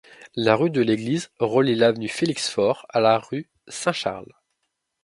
La rue de l'Église relie l'avenue Félix-Faure à la rue Saint-Charles.